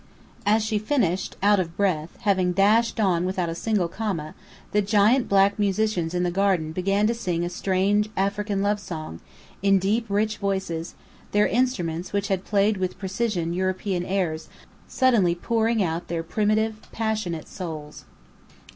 As she finished, out of breath, having dashed on without a single comma, the giant black musicians in the garden began to sing a strange African love song, in deep rich voices, their instruments, which had played with precision European airs, suddenly pouring out their primitive, passionate souls.